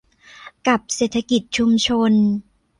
กับเศรษฐกิจชุมชน